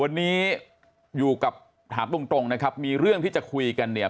วันนี้อยู่กับถามตรงตรงนะครับมีเรื่องที่จะคุยกันเนี่ย